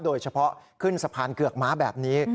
โดยเฉพาะขึ้นสะพานเกือกม้าแบบนี้